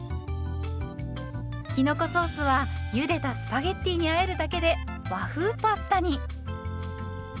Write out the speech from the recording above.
きのこソースはゆでたスパゲッティにあえるだけで和風パスタに。